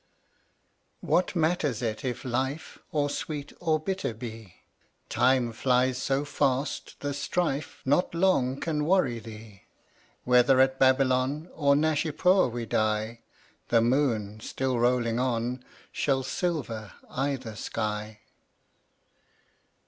148 What matters it if life Or sweet or bitter be? Time flies so fast, the strife Not long can worry thee. Whether at Babylon Or Naishapur we die, The moon, still rolling on, Shall silver either sky.